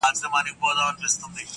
• کيسې د پروني ماښام د جنگ در اچوم.